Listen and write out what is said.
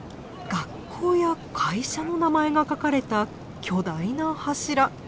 学校や会社の名前が書かれた巨大な柱。